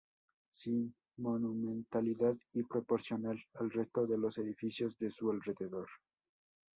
Sin monumentalidad y proporcional al resto de los edificios de su alrededor.